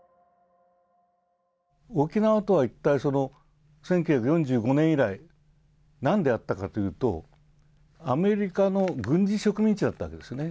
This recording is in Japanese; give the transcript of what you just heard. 沖縄とは一体、１９４５年以来、何であったかというと、アメリカの軍事植民地だったわけですね。